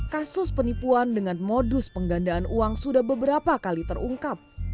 kasus penipuan dengan modus penggandaan uang sudah beberapa kali terungkap